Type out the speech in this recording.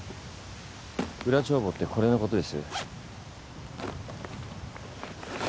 裏帳簿ってこれのことです？